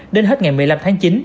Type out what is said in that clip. đến hết ngày một mươi năm tháng chín